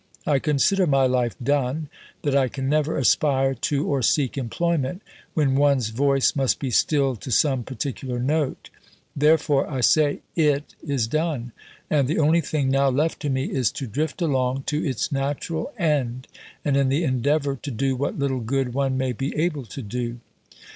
I consider my life done, that I can never aspire to or seek employment, when one's voice must be stilled to some particular note; therefore I say it is done, and the only thing now left to me is to drift along to its natural end and in the endeavour to do what little good one may be able to do.